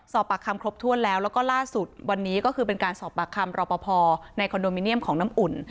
สอบปากคำครบถ้วนแล้วแล้วก็ล่าสุดวันนี้ก็คือเป็นการสอบปากคำรอปภในคอนโดมิเนียมของน้ำอุ่น